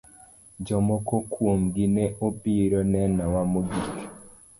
Jomoko kuomgi ne obiro nenowa mogik.